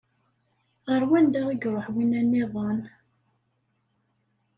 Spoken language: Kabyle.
Ɣer wanda i iṛuḥ winna nniḍen?